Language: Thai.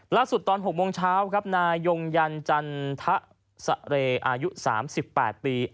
ล่าสุดตอน๖โมงเช้าครับนายยงยันจันทร์สะเรอายุ๓๘ปี